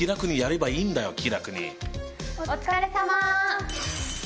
お疲れさま！